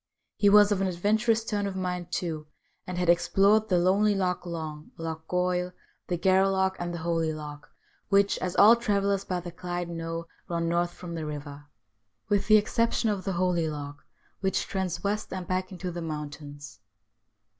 He was of an adventurous turn of mind, too, and had explored the lonely Loch Long, Loch Goil, the Gareloch, and the Holy Loch, which, as all travellers by the Clyde know, run north from the river, with the exception of the Holy Loch, which trends west, and back into the mountains.